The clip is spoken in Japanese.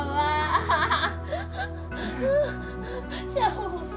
アハハ。